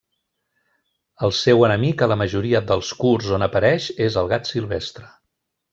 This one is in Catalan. El seu enemic a la majoria dels curts on apareix és El gat Silvestre.